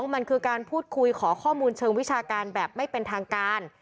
มันคือการพูดคุยขอข้อมูลเชิงวิชาการแบบไม่เป็นทางการ